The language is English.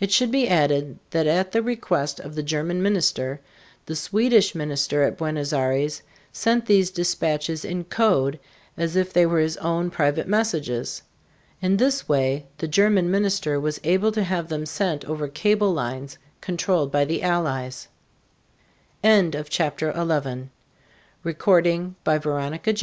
It should be added that at the request of the German minister, the Swedish minister at Buenos Aires sent these dispatches in code as if they were his own private messages. In this way the German minister was able to have them sent over cable lines controlled by the Allies. SUGGESTIONS FOR STUDY. 1. What is a "tank"? What are small tanks called?